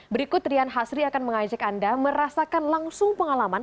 berikut rian hasri akan mengajak anda merasakan langsung pengalaman